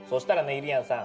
ゆりやんさん